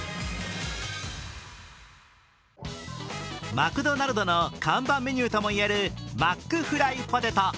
マクドナルドの看板メニューとも言えるマックフライポテト。